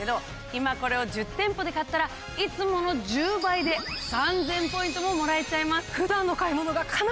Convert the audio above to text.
今これを１０店舗で買ったらいつもの１０倍で３，０００ポイントももらえちゃいます。